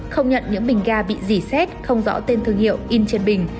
không nhận những bình ga bị dì xét không rõ tên thương hiệu in trên bình